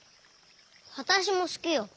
わたしもすきよ。